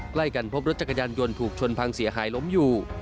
ใกล้กันพบรถจักรยานยนต์ถูกชนพังเสียหายล้มอยู่